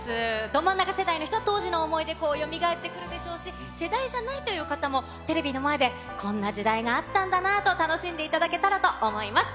ど真ん中世代の人は、当時の思い出がよみがえってくるでしょうし、世代じゃないという方も、テレビの前で、こんな時代があったんだなと楽しんでいただけたらと思います。